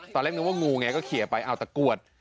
ตอนแรกนึกว่างูไงก็เขียนไปเอาตะกรวด